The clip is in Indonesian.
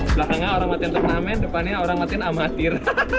belakangnya orang matiin turnamen depannya orang matiin amatir